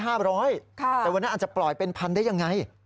แต่วันนั้นอาจจะปล่อยเป็น๑๐๐๐ได้อย่างไร